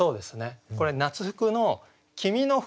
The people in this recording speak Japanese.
これ「夏服の君